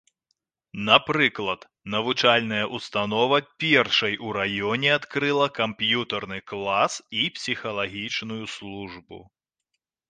Напрыклад, навучальная ўстанова першай у раёне адкрыла камп'ютарны клас і псіхалагічную службу.